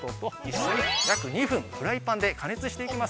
一緒に約２分フライパンで加熱していきます。